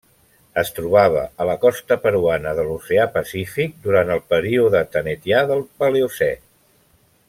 Es trobava a la costa peruana de l'oceà Pacífic durant el període Thanetià del Paleocè.